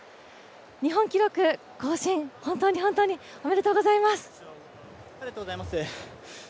日本記録、更新、本当に、本当におめでとうございます。